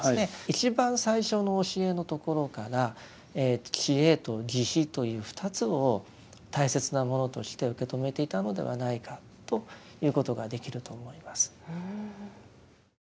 一番最初の教えのところから智慧と慈悲という２つを大切なものとして受け止めていたのではないかということができると思います。